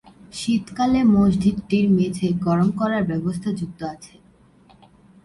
শীতকালে মসজিদটির মেঝে গরম করার ব্যবস্থা যুক্ত আছে।